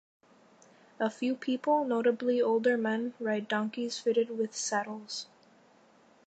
A few people, notably older men, ride donkeys fitted with saddles.